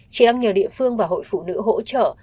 chị đang nhờ địa phương và hội phụ nữ hỗ trợ